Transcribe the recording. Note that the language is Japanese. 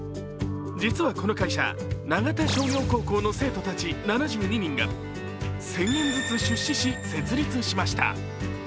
実はこの会社、長田商業高校の生徒たち７２人が１０００円ずつ出資し、設立しました。